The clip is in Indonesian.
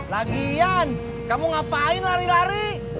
lagian kamu ngapain lari lari